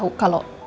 tante tau kalo